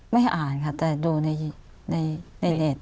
ไม่อ่านค่ะแต่ดูในเลส